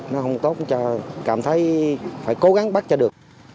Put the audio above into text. nó không tốt cho cảm thấy phải cố gắng bắt cho được